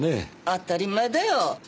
当たり前だよ。